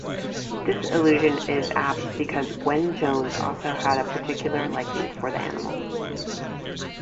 This allusion is apt because Gwynn-Jones also had a particular liking for the animal.